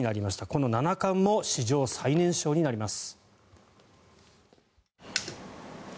この七冠も史上最年少になります。